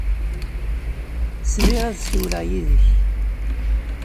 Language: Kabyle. Sriɣ ad ssiwleɣ yid-k.